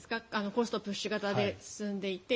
コストプッシュ型で進んでいて。